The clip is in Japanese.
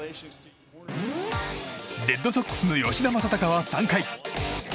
レッドソックスの吉田正尚は３回。